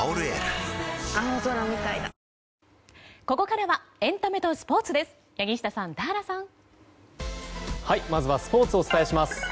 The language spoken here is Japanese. ここからはエンタメとスポーツです。